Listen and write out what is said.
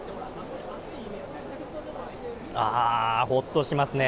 ほっとしますね。